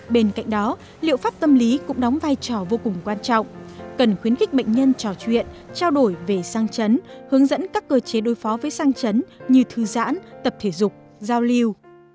bên cạnh đó liệu pháp tâm lý cũng đóng vai trò vô cùng quan trọng cần khuyến khích bệnh nhân trò chuyện trao đổi về sang chấn hướng dẫn các cơ chế đối phó với sang chấn như thư giãn tập thể dục giao lưu